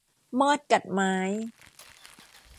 มอดกัดไม้